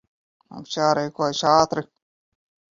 Mums jārīkojas ātri.